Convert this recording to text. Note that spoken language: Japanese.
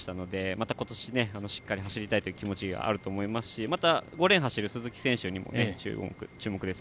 また今年、しっかり走りたい気持ちがあるでしょうしまた、５レーンを走る鈴木選手にも注目です。